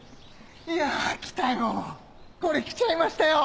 いや来たよこれ来ちゃいましたよ。